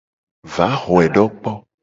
Va xoe do kpo.